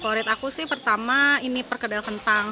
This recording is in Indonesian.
favorit aku sih pertama ini perkedel kentang